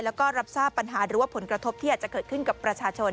แล้วก็รับทราบปัญหาหรือว่าผลกระทบที่อาจจะเกิดขึ้นกับประชาชน